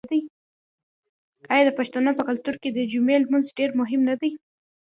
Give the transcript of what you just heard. آیا د پښتنو په کلتور کې د جمعې لمونځ ډیر مهم نه دی؟